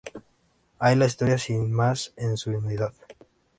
Hay la historia sin más, en su unidad.